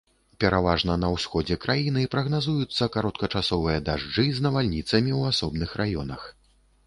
Пераважна на ўсходзе краіны прагназуюцца кароткачасовыя дажджы з навальніцамі ў асобных раёнах.